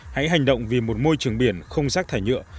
hãy hành động vì một môi trường biển không rác thải nhựa